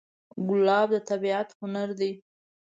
ګلاب د طبیعت هنر دی.